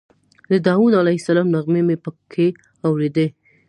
د داود علیه السلام نغمې مې په کې اورېدې.